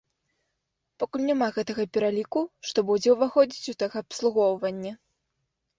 Пакуль няма гэтага пераліку, што будзе ўваходзіць у тэхабслугоўванне.